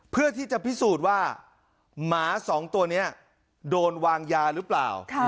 เพื่อที่จะพิสูจน์ว่าหมาสองตัวนี้โดนวางยาหรือเปล่า